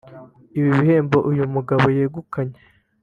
Ibi bihembo uyu mugabo yegukanye